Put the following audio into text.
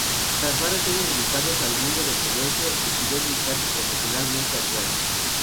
Tras varios años dedicados al mundo del comercio, decidió dedicarse profesionalmente al teatro.